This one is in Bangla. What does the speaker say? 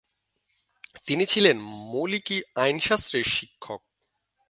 তিনি ছিলেন মলিকি আইনশাস্ত্রের শিক্ষক।